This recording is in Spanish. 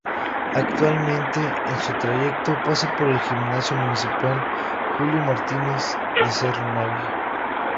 Actualmente, en su trayecto pasa por el Gimnasio Municipal Julio Martínez de Cerro Navia.